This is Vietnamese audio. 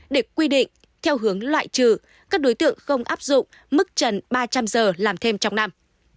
để quy định theo hướng loại trừ các đối tượng không áp dụng mức trần ba trăm linh giờ làm thêm trong năm